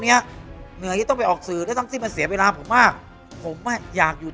นี้ต้องไปออกสื่อแล้วทั้งที่มันเสียเวลาผมมากผมอยากอยู่